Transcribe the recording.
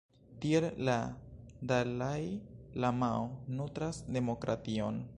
Tiel la dalai-lamao nutras demokration.